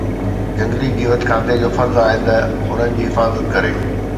جهنگلي جيوت کاتي جو فرض آهي ته انهن جي حفاظت ڪري